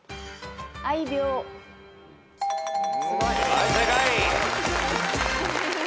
はい正解。